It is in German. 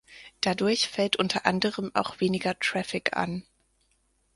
Dadurch fällt unter anderem auch weniger Traffic an.